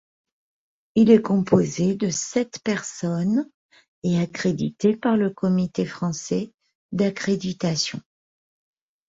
Il est composé de sept personnes et accrédité par le Comité français d'accréditation.